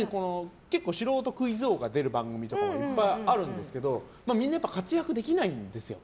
素人クイズ王が出る番組とかもいっぱいあるんですけどみんな活躍できないんですよ。